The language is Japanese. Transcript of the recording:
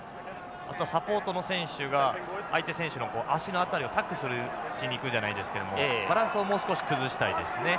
あとはサポートの選手が相手選手の脚の辺りをタックルしに行くじゃないですけどもバランスをもう少し崩したいですね。